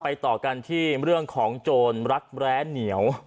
ต่อกันที่เรื่องของโจรรักแร้เหนียว